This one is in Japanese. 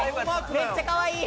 めっちゃかわいい！